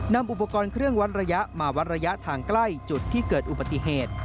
นำอุปกรณ์เครื่องวัดระยะมาวัดระยะทางใกล้จุดที่เกิดอุบัติเหตุ